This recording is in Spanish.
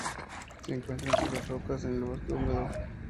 Se encuentra entre las rocas en el bosque húmedo.